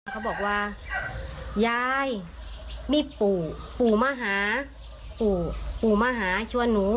เขาบอกว่ายายมีปู่ปู่มาหาปู่ปู่มาหาชวนหนู